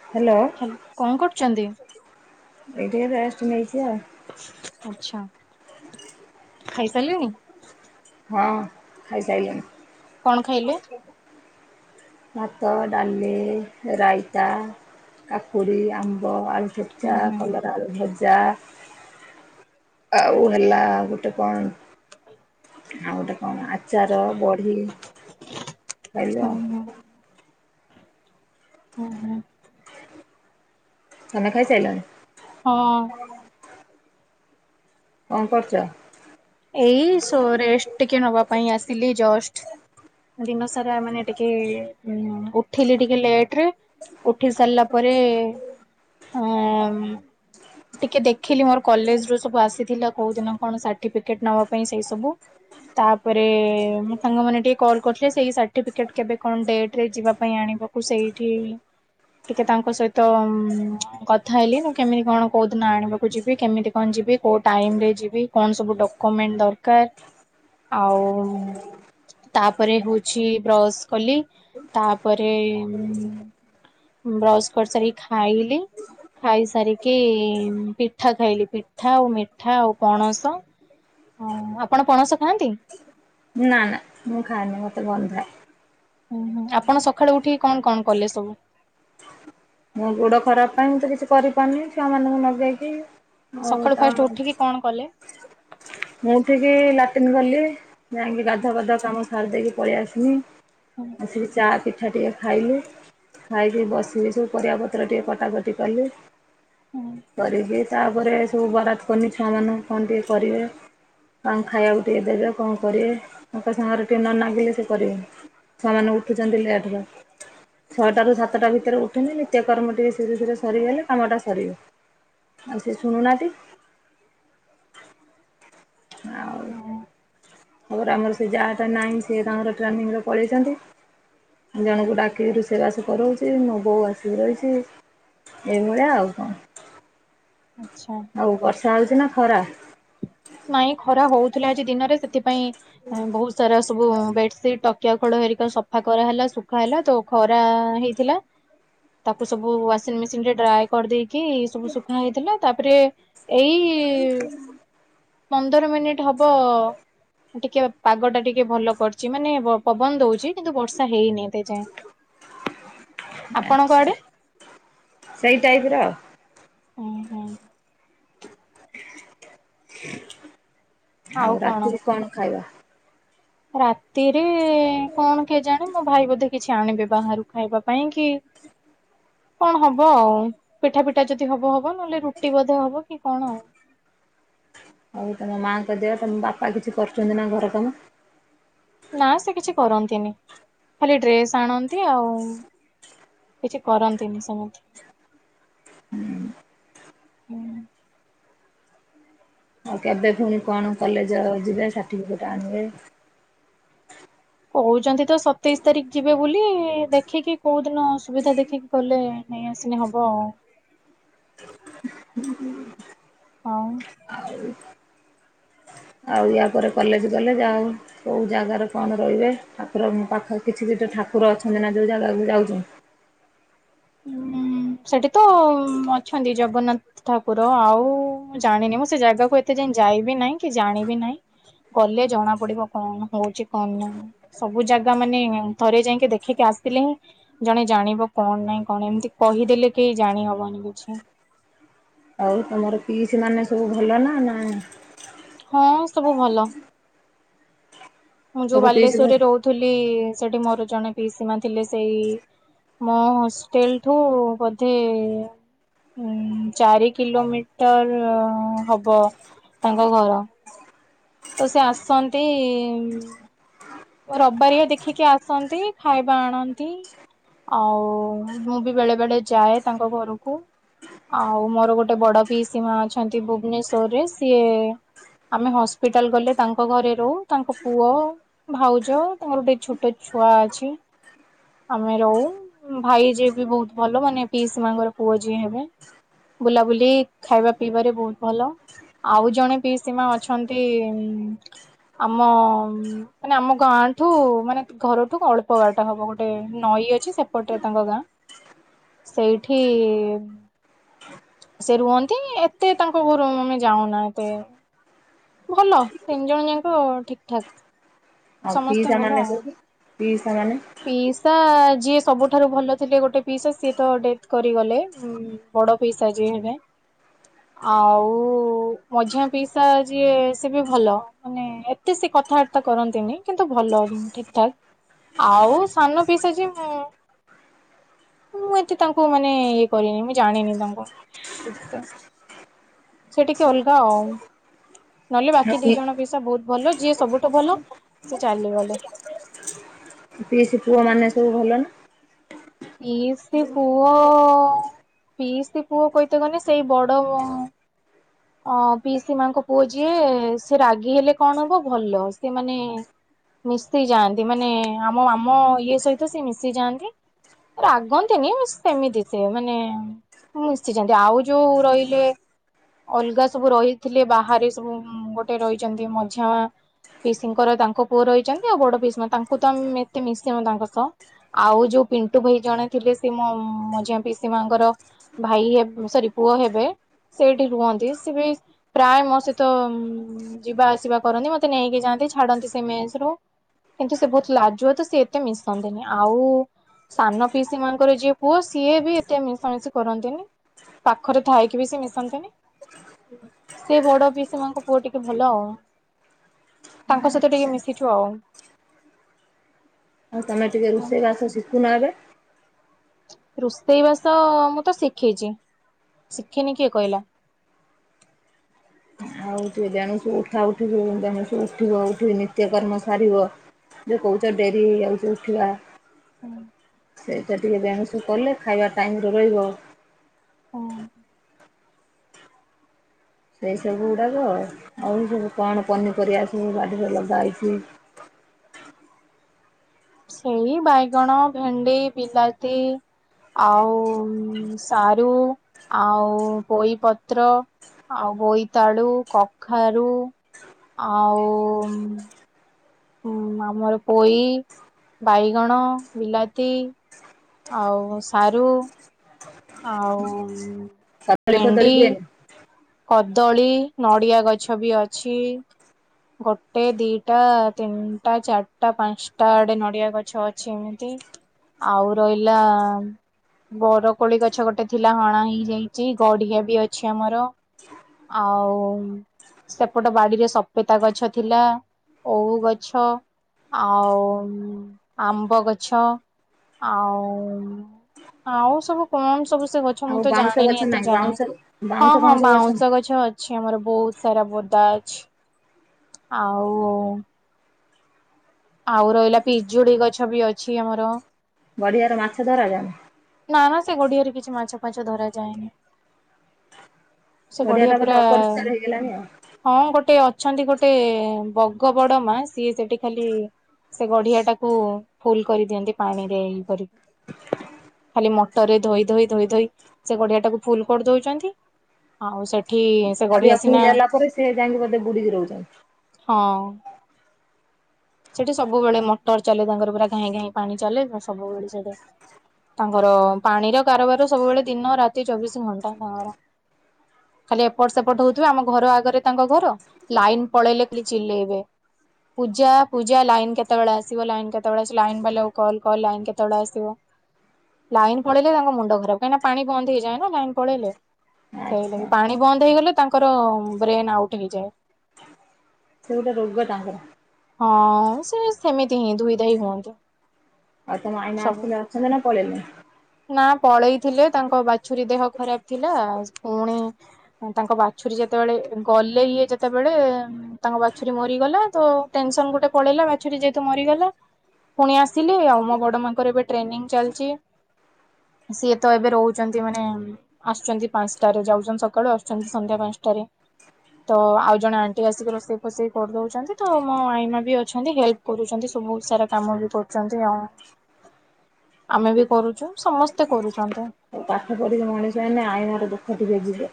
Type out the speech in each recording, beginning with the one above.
ହ [inaudible] ହ୍ୟାଲୋ କଣ କରୁଛନ୍ତି? ଏଇ ଟିକେ ରେଷ୍ଟ ନେଇଛି ଆଉ। ଆଛା ଖାଇସାରିଲେନି? ହଁ ଖାଇ କଣ ଖାଇଲେ? ସାରିଲିଣି। ଭାତ ଡାଲି ରାଇତା। କାକୁଡ଼ି, ଆମ୍ବ, ଆଳୁ ହୁଁ ଭଜା, ହୁଁ କଲରା ଆଳୁ ଭଜା। ଆଉ ହେଲା ଗୋଟେ କଣ ଆଉ ଗୋଟେ କଣ ଆଚାର ବଢି ହୁଁ ଖାଇଲ? ହୁ, ହୁଁ। [inaudible] ଖାନା ଖାଇ ସାରିଲାଣି? ହଁ। କଣ କରୁଛ? ଏଇ ରେଷ୍ଟ ଟିକେ ନବା ପାଇଁ ଆସିଲି ଜଷ୍ଟ। ଦିନ ସାରା ମାନେ ଟିକେ ଉଠିଲି ଟିକେ ଲେଟ ରେ ଉଠି ସାରିଲା ପରେ ଆ ଟିକେ ଦେଖିଲି ମୋର କଲେଜ ରୁ ସବୁ ଆସିଥିଲା କୋଉ ଦିନ କଣ ସା ସାର୍ଟିଫିକେଟ ନବା ପାଇଁ ସେଇ ସବୁ। ତାପରେ ମୋ ସାଙ୍ଗମାନେ ଟିକେ କଲ୍ କରିଥିଲେ ସେଇ ସାର୍ଟିଫିକେଟ କେବେ କଣ ଡେଟ ରେ ଯିବା ପାଇଁ ଆଣି ବାପୁ ସେଇଠି ଟିକେ ତାଙ୍କ ସହିତ ଉ କଥା ହେଲି ମୁୁ କେମିତି କଣ କୋଉଦିିନ ଆଣିବାକୁ ଯିବି କେମିତି କଣ ଯିବି। କୋଉ ଟାଇମ ରେ ଯିବି କଣ ସବୁ ଡକ୍ୟୁମେଣ୍ଟ ଦରକାର। ଆଉ। ତାପରେ ହଉଛି ବ୍ରଶ କଲି ତାପରେ ବ୍ରସ କରି ସାରି ଖାଇଲି। ଖାଇସାରିକି ପିଠା ଖାଇଲି ପିଠା ଆଉ ମିଠା ଆଉ ପଣସ ଓ ଆପଣ ପଣସ ଖାଆନ୍ତି? ନା ନା ମୁଁ ଖାଏନି ମତେ ବଲନାଇଁ ହୁଁ ହୁ ଆପଣ ସକାଳେୁ ଉଠିକି କଣ କଣ କଲେ ସବୁ ମଁ ଗୋଡ ଖରାପ ପାଇଁ ମୁଁ ତ କିଛି କରିପାରୁନି ଛୁଆ ମାନଙ୍କୁ ନଗେଇକି ହଉ ସକାଳୁ ଫାଷ୍ଟ ତାହେନେ। ଉଠିକି କଣ କଲେ ଲାଟିନ୍ ଗଲି ଯାଇକି ଗାଧୁଆ ପାଧୁଆ କାମ ସାରି ଦେଇକି ପଳେଇ ଆସିଲି ହୁଁ ଆସିକି ଚା ପି ମିିଠା ଟିକେ ଖାଇଲିୁ ଖାଇକି ବସିଲି ସବୁ ପରିବା ପତ୍ର ଟିକେ କଟାକଟି କଲି। ହୁଁ କରିବି ତାପରେ ସବୁ ବରାତ କରନି ଛୁଆ ମାନ କଣ ଟିକେ କରିବେ। କଣ ଖାଇବାକୁ ଦେଇଦେବେ କଣ କରିବେ ତାଙ୍କ ସାଙ୍ଗରେ ଟିକେ ନଲାଗିଲେ କରିବେନି ସେମାନଙ୍କୁ ିଲଠନ [inaudible] ଛଟାରୁ ସାତଟା ଭିତରେ ଉଠୁନି ନିତ୍ୟକର୍ମ ଟିକେ ଧୀରେ ଧୀରେ ସରିଗଲେ କାମଟା ସରିବ। ଆଉ ସିଏ ଶୁଣୁ ନାଁହାନ୍ତି। ହ [inaudible] ଆ ଆମର ସେ ଯାଆଟା ନାହିଁ ସେ ତାଙ୍କର ଟ୍ରେନିଂରେ ପଳେଇଛନ୍ତି, । ଜଣଙ୍କୁ ଡାକିକି ରୋଷେଇବାସ କରଉଛି ମୁ ବୋଉ ଆସିକି ରହିଛି। ଏଇଭଳିଆ ଆଉ କଣ। ଆଚ୍ଛା ଆଉ ବର୍ଷା ହଉଛି ନା ଖରା। ନାଇଁ ଖରା ହଉଥିଲା ଆଜି ଦିନରେ ସେଥିପାଇଁ ବହୁତ ସାରା ସବୁ ବେଡସିଟ ତକିଆ ଖୋଳ ହେରିକ ସଫା କରାହେଲା ଶୁଖା ହେଲା ତ ଖରା ହେଇଥିଲା। ତାକୁ ସବୁ ୱାସିଂ ମେସିନ ରେ ଡ୍ରାଏ କରିଦେଇକି କି ସବୁ ଶୁଖା ହେଇଥିଲା ତାପରେ ଏଇ ପନ୍ଦର ମିନିଟ୍ ହବ ଟିକେ ପାଗ ଟା ଟିକେ ଭଲ କରିଛି ମାନେ ପବନ ଦୋଉଛି କିନ୍ତୁ ବର୍ଷା ହେଇନି। ଏଯାଏଁ ଆପଣଙ୍କ ଆଚ୍ଛା ଆଡେ? ସେଇ ଟାଇପ ର ହୁଁ ଆଉ ରାତିରେ କଣ ଖାଇବା? ରାତିରେ କଣ କେଜାଣି? ମୋ ଭାଇ ବୋଧେ କିଛି ଆଣିବେ ବାହାରୁ ଖାଇବା ପାଇଁ କି କଣ ହବ ଆଉ ପିଠା ପିଠା ଯଦି ହବ ହବ ନହେଲେ ରୁଟି ବୋଧେ ହବ କି କଣ ଆଉ। ହଉ ତମ ମାଙ୍କ ଦେହ ତମ ବାପା କିଛି କରୁଛନ୍ତି ନା ଘର କାମ? ନା ସେ କିଛି କରନ୍ତିନି ଖାଲି ଡ୍ରେସ୍ ଆଣନ୍ତି ଆଉ। କିଛି କରନ୍ତିନି ସମତ୍ ହୁଁ। ଆଉ କେବେ ପୁଣି କଣ କଲେଜ ଯିବେ ସାର୍ଟିଫିକେଟ ଆଣିବେ? କହୁଛନ୍ତି ତ ସତେଇଶି ତାରିଖ ଯିବେ ବୋଲି ଦେଖିକି କୋଉ ଦିନ ସୁବିଧା ଦେଖିକି ଗଲେ ନେଇ ଆସିଲେ ହବ। ହ ହଁ। ଆଉ ୟା ପରେ କଲେଜ ଗଲେ ଯାଉ କୋଉ ଜାଗାରେ କଣ ରହିବେ ଠାକୁରଙ୍କ ପାଖରେ କିଛି ଦି ଟା ଠାକୁର ଅଛନ୍ତି ନା ଯୋଉ ଜାଗାକୁ ଯାଉଚୁ ଉଁ ସେଠି ତ ଅଛନ୍ତି ଜଗନ୍ନାଥ ଠାକୁର ଆଉ ଜାଣିନି ମୁଁ ସେ ଜାଗାକୁ ଏତେ ଯାଇବି ନାହିଁ କି ଜାଣିବି ନାହିଁ। ଗଲେ ଜଣା ପଡିବ କଣ ହଉଛି କଣ ନାହିଁ ସବୁ ଜାଗା ମାନେ ଥରେ ଯାଇକି ଦେଖିକି ଆ ଆସିଲେ ହିଁ ଜଣେ ଜାଣିବ କଣ ନାଇଁ କଣ ଏମିତି କହିଦେଲେ କେହି ଜାଣିହବନି କିଛି। ଆଉ ତମର ପିଇସି ମାନେ ସବୁ ଭଲ ନା ନା ହଁ ସବୁ ଭଲ ମୁଁ ଯୋଉ ସବୁ ପିଇସି ଘର ବାଲେଶ୍ଵରରେ ରହୁଥିଲି ସେଠି ମୋର ଜଣେ ପିଇସି ମା ଥିଲେ ସେଇ ମୁଁ ହଷ୍ଟେଲ ଠୁ ବଧେ ଏଇଁ ଚାରି କିଲୋମିଟର ହବ ତାଙ୍କ ଘର ତ ସେ ଆସନ୍ତି ଇ ରବାରିଆ ଦେଖିକି ଆସନ୍ତି ଖାଇବା ଆଣନ୍ତି । ଆଉ ମୁଁ ବି ବେଳେ ବେଳେ ଯାଏ ତାଙ୍କ ଘରକୁ। ଆଉ ମୋର ଗୋଟେ ବଡ ପିଇସି ମା ଅଛନ୍ତି ଭୁବନେଶ୍ଵରରେ ସିଏ ଆମେ ହସ୍ ହସ୍ପିଟାଲ ଗଲେ ତାଙ୍କ ଘରେ ରହୁ ତାଙ୍କ ପୁଅ ଭାଉଜ ତାଙ୍କର ଗୋଟେ ଛୋଟ ଛୁଆ ଅଛି। ଆମେ ରହୁ ଭାଇ ଯିଏ ବି ବହୁତ ଭଲ ମାନେ ପିଇସି ମା ଙ୍କର ପୁଅ ଯିଏ ହେବେ। ବୁଲାବୁଲି ଖାଇବା ପିଇବାରେ ବହୁତ ଭଲ ଆଉ ଜଣେ ପିସି ମା ଅଛନ୍ତି କିମ୍ ଆମ ମାନେ ଆମ ଗାଁଠୁ ମାନେ ଘରଠୁ ଅଳ୍ପ ବାଟ ହବ ଗୋଟେ ନଈ ଏଇ ଅଛି ସେପଟେ ତାଙ୍କ ଗାଁ ସେଇଠି ସେ ରୁହନ୍ତି ଏତେ ତାଙ୍କ ଘରୁ ଆମେ ଯାଉନା ଏତେ ଭଲ ତିନି ଜଣ ଯାକ ଠିକଠାକ୍। ଆଉ ପିଇସା ମାନେ ସବୁ ପିଇସା ମାନେ ପିଇସା ଯିଏ ସବୁଠାରୁ ଭଲ ଥିଲେ ଗୋଟେ ପିଇସା ସିଏ ତ ଡେଥ କରିଗଲେ ବଡ ପିସା ଯିଏ ହେବେ। ଆଉ ମଝିଆ ପଇସା ଯିଏ ସେ ବି ‌ଭଲ ମାନେ ଏତେ କଥାବାର୍ତ୍ତା କରନ୍ତିନି କିନ୍ତୁ ଭଲ ଠିକ ଠାକ। [unintelligible] ଆଉ ସାନ ପିଇସା ଯିଏ ମୁଁ ମୁଁ ଏତେ ତାଙ୍କୁ ମାନେ ଇଏ କରିନି ମୁଁ ଜାଣିନି ତାଙ୍କୁ ଠିକ ସେ। ସେ ଟିକେ ଅଲଗା ଆଉ ନହେଲେ ବାକି ଦି ଜଣ ପିସା ବହୁତ ଭଲ ଯିଏ ସବୁଠୁ ଭଲ ସିଏ ଚାଲିଗଲେ। ପିଇସି ପୁଅ ମାନେ ସବୁ ଭଲ ନା? ପିଇସି ପୁଅ ପିସି ପୁଅ କହିତ ଗଲେ ସେଇ ବଡ ଅ ପିସି ମାଙ୍କ ପୁଅ ଯିଏ ସେ ରାଗି ହେଲେ କଣ ହବ ଭଲ ସେ ମାନେ ମିଶି ଯାଆନ୍ତି ମାନେ ଆମ ଆମ ଇଏ ସହିତ ସେ ମିଶି ଯାଆନ୍ତି। ରାଗନ୍ତିନି ସେମିତି ସେ ମାନେ ହଁ ମିଶି ଯାଆନ୍ତି ଆଉ ଯୋଉ ରହିଲେ ଅଲଗା ସବୁ ରହିଥିଲେ ବାହାରେ ସବୁ ଉଁ ଗୋଟେ ରହିଛନ୍ତି ମଝିଆଁ ମା ପିସିଙ୍କର ତାଙ୍କ ପୁଅ ରହିଛନ୍ତି ଆଉ ବଡ ପିସି ମାଆ ତାଙ୍କୁ ତ ଆମେ ଏତେ ମିଶି ନୁ ତାଙ୍କ ସହ। ଆଉ ଯୋଉ ପିଣ୍ଟୁ ଭାଇ ଜଣେ ଥିଲେ ସେ ମୋ ମଝିଆ ପିସି ମାଆ ଙ୍କ ର ଭାଇ ହେ ସରି ପୁଅ ହେବେ ସେଇ ରୁହନ୍ତି ସେ ବି ପ୍ରାୟ ମୋ ସହିତ ଉଁ ଯିବା ଆସିବା କରନ୍ତି ମତେ ନେଇକି ଯାଆନ୍ତି ଛାଡନ୍ତି କି ସେ ମେସ୍ ର କିନ୍ତୁ ସେ ବହୁତ ଲାଜୁ ତ ସେ ଏତେ ମିଶନ୍ତିନି ଆଉ ସାନ ପିସି ମାନଙ୍କର ଯିଏ ପୁଅ ସିଏ ବି ଏତେ ମିଶାମିଶି କରନ୍ତିନି। ପାଖରେ ଥାଇକି ବି ସେ ମିଶନ୍ତିନି। ସେ ବଡ ପି ସି ମାଙ୍କ ପୁଅ ଟିକେ ଭଲ ଆଉ। ତାଙ୍କ ସହିତ ଟିକେ ଆଚ୍ଛା ମିଶିଛୁ ଆଉ। ଆଉ ତମେ ଟିକେ ରୋଷେଇ ବାଷ ଶିଖୁ ନ ଏବେ। ରୋଷେଇବାସ ମୁଁ ତ ଶିଖିଚି। ଶିଖିନି କିଏ କହିଲା? [unintelligible] ବେନୁଶୁ ଉଠା ଉଠିବ ବେଣୁସୁ ଉଠିବ ଉଠିବ ନିତ୍ୟକର୍ମ ସାରିବ। ଯେ କହୁଛ ଡେରି ହେଇଯାଉଛି ଉଠିବା [unintelligible] ସେଇଟା ଟିକେ ବେଉଁସ କଲେ ଖାଇବା ଟାଇମରେ ରହିବ । ହଁ। ସେଇ ସବୁ ଗୁଡାକ। ଆଉ ସବୁ କଣ ପନିପରିବା ସବୁ ବାଡ଼ିରେ ଲଗା ହେଇଛି? ହ ସେଇ ବାଇଗଣ, ଭେଣ୍ଡି, ବିଲାତି ଆଉ ସାରୁ ଆଉ ପୋଇପତ୍ର। ଆଉ ବୋଇତାଳୁ କଖାରୁ ଆଉ ହୁଁ ଆମର ପୋଇ, ବାଇଗଣ, ବିଲାତି ଆଉ ସାରୁ ଆଉ ସାଦଳି ଫଦଳି ଭେଣ୍ଡି, ହୁଏ? କଦଳୀ ନଡିଆ ଗଛ ବି ଅଛି। ଗୋଟେ ଦିଟା ତିନିଟା ଚାରିଟା ପାଞ୍ଚଟା ଆଡେ ନଡିଆ ଗଛ ଅଛି ଏମିତି। ଆଉ ରଇଲା ବରକୋଳି ଗଛ ଗୋଟେ ଥିଲା ହଣା ହେଇଯାଇଛି ଗଡିିଆ ବି ଅଛି ଆମର। ଆଉ ସେପଟ ବାଡିରେ ସପେତା ଗଛ ଥିଲା ଓଉ ଗଛ ଆଉ ଆମ୍ବ ଗଛ। ଆଉ ଆଉ ସବୁ କଣ ସବୁ ସେ ଗ ଛ ମୁଁ ଆଉ ତ ବାଉଁଶ ଜାଣିନି ଗଛ ଏତେ ନାହିଁ ଯାଏଁ ବାଉଁଶ ହଁ ବାଉଁଶ ହଁ ଫାଉଁଶ ବାଉଁଶ ନାହିଁ ଗଛ ଅଛି ଆମର। ବହୁତ ସାରା ବୋଦା ଅଛି ଆଉ ଆଉ ରହିଲା ପିଜୁଳି ଗଛ ବି ଅଛି ଆମର। ଗାଡିଆରୁ ମାଛ ଧରା ଯାଉନି? ନା ନା ସେ ଗୋଡିଆରେ କିଛି ମାଛ ଫାଛ ଧରାଯାଏନି। ସେ ଗଡ଼ିଆ ଗଡ଼ିଆଟା ବୋଧେ ପୁରା ଅପରିଷ୍କାର ହେଇଗଲାଣି ଆଉ ହଁ ଗୋଟେ ଅ ଛନ୍ତି ଗୋଟେ ବଗ ବଡ ମା ସିଏ ସେଠି ଖାଲି ସେ ଗଢିଆ ଟାକୁ ଫୁଲ କରିଦିଅନ୍ତି ପାଣିରେ ଇ କରିକି। [inaudible] ଖାଲି ମଟରରେ ଧୋଇ ଧୋଇ ଧୋଇ ଧୋଇ ସେ ଗଡିଆ ଟାକୁ ଫୁଲ କରିଦଉଛନ୍ତି ଆଉ ସେ ଏଠି ସେ ଗଢି ଗଡ଼ିଆ ଫୁଲ ଆସିନା ହେଲା ପରେ ସେ ଯାଇକି ବୋଧେ ବୁଡ଼ିକି ରହୁଛନ୍ତି ହଁ। ସେଠି ସବୁବେଳେ ମଟର ଚାଲେ ତାଙ୍କର ପୁରା ଘାଇଁ ଘାଇଁ ପାଣି ଚାଲେ ସବୁବେଳେ ସେଠି ତାଙ୍କର ପାଣିର କାରବାର ସବୁବେଳେ ଦିନ ରାତି ଚବିଶି ଘଣ୍ଟା ତାଙ୍କର ଖାଲି ଏପଟ ସେପଟ ହେଉଥିବେ ଆମ ଘର ଆଗରେ ତାଙ୍କ ଘର ଲାଇନ ପଳେଇଲେ ଖଲି ଚିଲେଇବେ। ପୂଜା ପୂଜା ଲାଇନ କେତେବେଳେ ଆସିବ ଲାଇ କେତେବେଳେ ଆସିବ ଲାଇନ୍ ବାଲା କୁ କଲ କରେ ଲାଇନ୍ କେତେବେଳେ ଆସିବ? ଲାଇନ ପଳେଇଲେ ତାଙ୍କ ମୁଣ୍ଡ ଖରାପ କାହିଁକିନା ପାଣି ବନ୍ଦ ହେଇଯାଏ ନା ଲାଇନ ପଳେଇଲେ। ସେଇ ଆଚ୍ଛା ଲାଗି ପାଣି ବନ୍ଦ ହେଇଗଲେ ତାଙ୍କର ବ୍ରେନ ଆଉଟ ହେଇଯାଏ। ସେଉଟା ରୋଗ ତାଙ୍କର। ହଁ ସେ ସେମିତି ହିଁ ଦୁଇ ଧାଇ ହୁଅନ୍ତୁ। ଆଉ ତ ଆଇନା ଆସିଥିଲା ଅଛନ୍ତୀ ନା ପଳେଇଲେଣି। ନା ପଳେଇଥିଲେ ତାଙ୍କ ବାଛୁରୀ ଦେହ ଖରାପ ଥିଲା ପୁଣି ତାଙ୍କ ବାଛୁରୀ ଯେତେବେଳେ ଗଲେ ଇଏ ଯେତେବେଳେ ତାଙ୍କ ବାଛୁରୀ ମରିଗଲା ତ ଟେନସନ ଗୋଟେ ପଳେଇଲା ବାଛୁରୀ ଯେହେତୁ ମରିଗଲା। ପୁଣି ଆସିଲି ଆଉ ମୋ ବଡ ମାଙ୍କର ଏବେ ଟ୍ରେନିଂ ଚାଲିଛି। ସିଏ ତ ଏବେ ରହୁଛନ୍ତି ମାନେ ଆସୁଛନ୍ତି ପାଞ୍ଚଟାରେ ଯାଉଛନ୍ତି ସକାଳୁ ଆସୁଛନ୍ତି ସନ୍ଧ୍ୟା ପାଞ୍ଚ ତ ଆଉ ଜଣେ ଆଣ୍ଟି ଆସିକି ରୋଷେଇ ଫୋଷେଇ କରିଦଉଛନ୍ତି ତ ମୋ ଆଇମା ବି ଅଛନ୍ତି ହେଲ୍ପ କରୁଛନ୍ତି ସବୁ ସାରା କାମ ବି କରୁଛନ୍ତି ଆଉ। ଆମେ ବି କରୁଛୁ ସମସ୍ତେ କରୁଛନ୍ତି। ପାଠ ପଢିକି ମଣିଷ ଏ ଆଇନାର ଦୁଃଖ ଟିକେ ଯିବେ।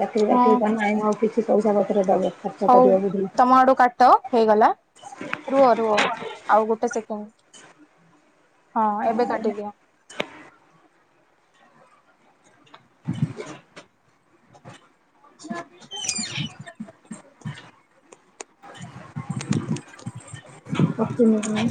ଚାକିରୀ ହଁ ବାକିରିୀ ତ ନାହିଁ ଆଉ କିଛି ପଇସା ପତ୍ର ଦବ। ଖର୍ଚ୍ଚ ହଉ କରିବ ବୁଝିଲ। ତମା ଆଡୁ କାଟ। ହେଇଗଲା ରୁହ ରୁହ ଆଉ ଗୋଟେ ସେକେଣ୍ଡ। ହଁ ଏବେ କାଟିଦିଅ। ଅଁହାକେଉଁ [unintelligible] କଟୁନି